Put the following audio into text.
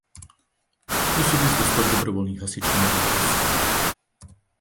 Působí zde Sbor dobrovolných hasičů Nová Ves.